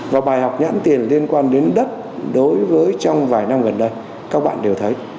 và bài học nhãn tiền liên quan đến đất đối với trong vài năm gần đây các bạn đều thấy